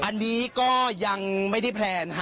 อันนี้ก็ยังไม่ได้แพลน